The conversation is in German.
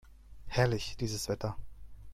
Herrlich, dieses Wetter!